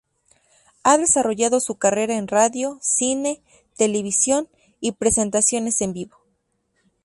Ha desarrollado su carrera en radio, cine, televisión y presentaciones en vivo.